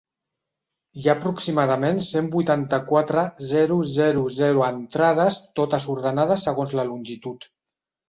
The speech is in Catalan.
Hi ha aproximadament cent vuitanta-quatre.zero zero zero entrades, totes ordenades segons la longitud.